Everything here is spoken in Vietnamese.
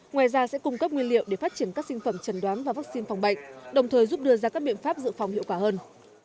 ngoài ra sẽ cung cấp nguyên liệu để phát triển các sinh phẩm trần đoán và vaccine phòng bệnh đồng thời giúp đưa ra các biện pháp dự phòng hiệu quả hơn